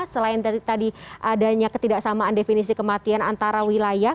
selain tadi adanya ketidaksamaan definisi kematian antara wilayah